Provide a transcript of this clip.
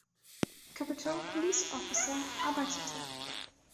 Capitol police officer arbeitete.